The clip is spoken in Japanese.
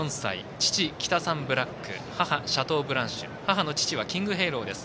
父、キタサンブラック母、シャトーブランシュ母の父はキングヘイローです。